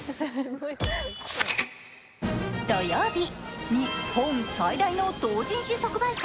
土曜日、日本最大の同人誌発売会